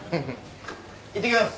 いってきます！